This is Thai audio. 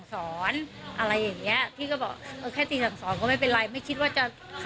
คนไหนจะยอมแล้วมันด้วยเหตุจำเป็นใช่มันไม่มีเวลาดูแลด้วย